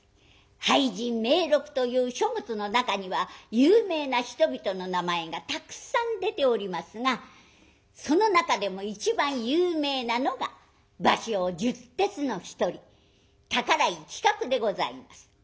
「俳人名録」という書物の中には有名な人々の名前がたくさん出ておりますがその中でも一番有名なのが芭蕉十哲の一人宝井其角でございます。